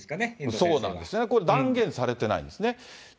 そうですね、断言されてないんですね。